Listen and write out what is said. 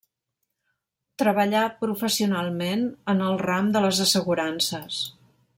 Treballà professionalment en el ram de les assegurances.